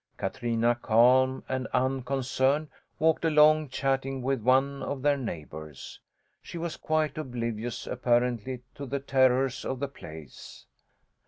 Katrina, calm and unconcerned, walked along, chatting with one of their neighbours. She was quite oblivious, apparently, to the terrors of the place.